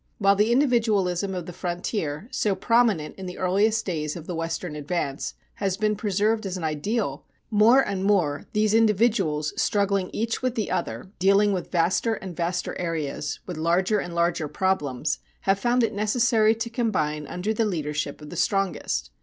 While the individualism of the frontier, so prominent in the earliest days of the Western advance, has been preserved as an ideal, more and more these individuals struggling each with the other, dealing with vaster and vaster areas, with larger and larger problems, have found it necessary to combine under the leadership of the strongest.